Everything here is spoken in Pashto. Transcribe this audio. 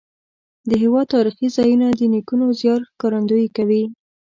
د هېواد تاریخي ځایونه د نیکونو زیار ښکارندویي کوي.